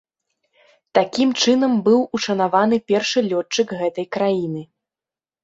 Такім чынам быў ушанаваны першы лётчык гэтай краіны.